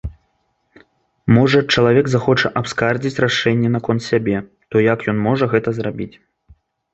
Можа, чалавек захоча абскардзіць рашэнне наконт сябе, то як ён можа гэта зрабіць?